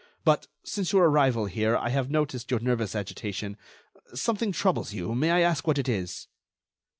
But, since your arrival here, I have noticed your nervous agitation. Something troubles you; may I ask what it is?"